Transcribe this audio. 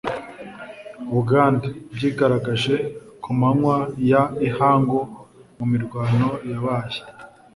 Buganda byigaragaje ku manywa y ihangu mu mirwano yabaye